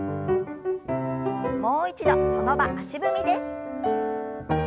もう一度その場足踏みです。